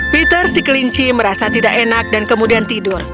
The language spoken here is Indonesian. peter si kelinci merasa tidak enak dan kemudian tidur